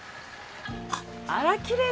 あらきれい。